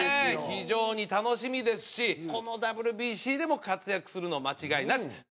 非常に楽しみですしこのＷＢＣでも活躍するの間違いなし。